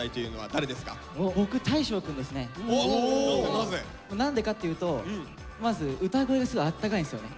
なぜ？何でかっていうとまず歌声がすごいあったかいんですよね。